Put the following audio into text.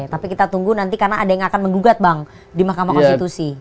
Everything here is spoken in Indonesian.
tapi kita tunggu nanti karena ada yang akan menggugat bang di mahkamah konstitusi